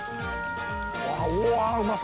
うわうまそ！